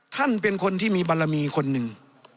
ท่านเป็นคนที่มีบารมีคนหนึ่ง